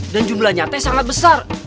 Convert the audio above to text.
dan jumlah nyatanya sangat besar